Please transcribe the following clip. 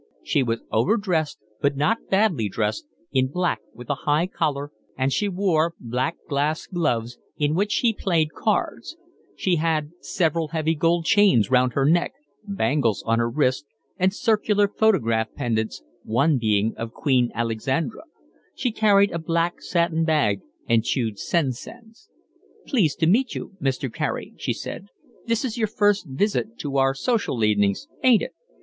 She was overdressed, but not badly dressed, in black with a high collar, and she wore black glace gloves, in which she played cards; she had several heavy gold chains round her neck, bangles on her wrists, and circular photograph pendants, one being of Queen Alexandra; she carried a black satin bag and chewed Sen sens. "Please to meet you, Mr. Carey," she said. "This is your first visit to our social evenings, ain't it?